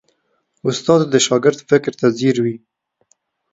استاد د شاګرد فکر ته ځیر وي.